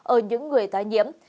ở những người tái nhiễm